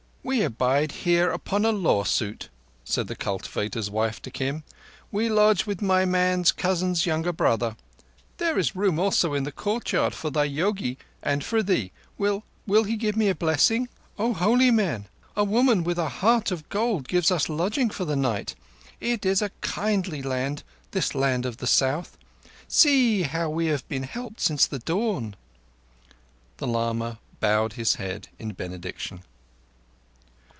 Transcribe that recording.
"We abide here upon a law suit," said the cultivator's wife to Kim. "We lodge with my man's cousin's younger brother. There is room also in the courtyard for thy yogi and for thee. Will—will he give me a blessing?" "O holy man! A woman with a heart of gold gives us lodging for the night. It is a kindly land, this land of the South. See how we have been helped since the dawn!" The lama bowed his head in benediction.